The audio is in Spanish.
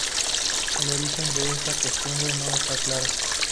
El origen de esa costumbre no está claro.